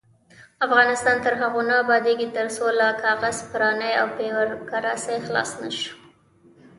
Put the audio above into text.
افغانستان تر هغو نه ابادیږي، ترڅو له کاغذ پرانۍ او بیروکراسۍ خلاص نشو.